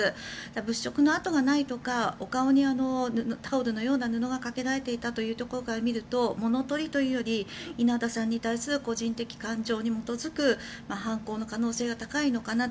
物色の跡がないとかお顔にタオルのような布がかけられていたというところから見ると物取りというより稲田さんに対する個人的感情に基づく犯行の可能性が高いのかなと。